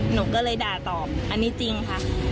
หนูก็เลยด่าตอบอันนี้จริงค่ะ